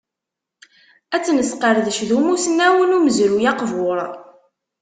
Ad tt-nesqerdec d umusnaw n umezruy aqbur.